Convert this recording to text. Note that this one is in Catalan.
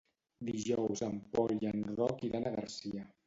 Dijous en Pol i en Roc iran a Garcia.